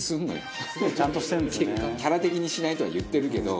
キャラ的に「しない」とは言ってるけど。